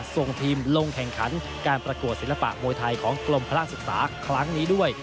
ส่งทีมลงแข่งขันการประกวดศิลปะมวยไทยของกรมพระราชศึกษาครั้งนี้ด้วย